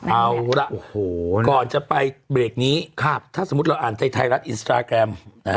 เอาละก่อนจะไปเบรกนี้ถ้าสมมุติเราอ่านไทยรัฐอินสตาแกรม